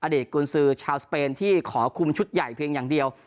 เด็กกุญสือชาวสเปนที่ขอคุมชุดใหญ่เพียงอย่างเดียว